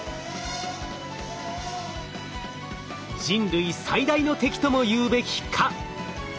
人類最大の敵ともいうべき蚊。